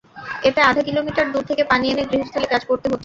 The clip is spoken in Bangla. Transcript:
এতে আধা কিলোমিটার দূর থেকে পানি এনে গৃহস্থালি কাজ করতে হচ্ছে।